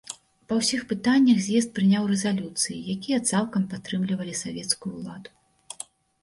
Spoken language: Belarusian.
Па ўсіх пытаннях з'езд прыняў рэзалюцыі, якія цалкам падтрымлівалі савецкую ўладу.